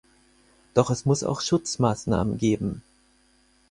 Doch es muss auch Schutzmaßnahmen geben.